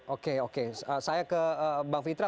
oke oke saya ke bang fitra